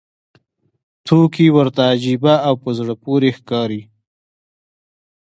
توکي ورته عجیبه او په زړه پورې ښکاري